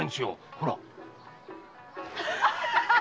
ほら。